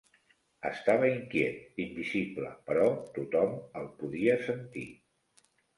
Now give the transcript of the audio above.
Estava inquiet, invisible, però tothom el podia sentir.